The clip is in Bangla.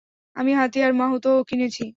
আমি হাতি আর মাহুতও কিনেছি।